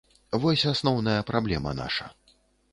Вось асноўная праблема наша.